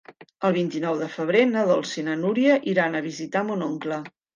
El vint-i-nou de febrer na Dolça i na Núria iran a visitar mon oncle.